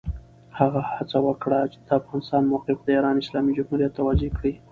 هغه هڅه وکړه، د افغانستان موقف د ایران اسلامي جمهوریت ته واضح کړي.